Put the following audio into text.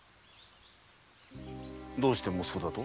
どうして息子だと？